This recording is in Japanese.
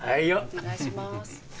お願いします。